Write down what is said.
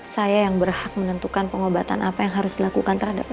saya yang berhak menentukan pengobatan apa yang harus dilakukan terhadap orang